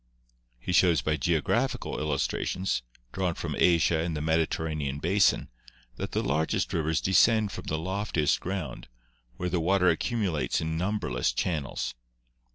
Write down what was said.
He shows by geographical illustrations, drawn from Asia and the Mediterranean basin, that the largest rivers descend from the loftiest ground, where the water accumulates in numberless chan nels.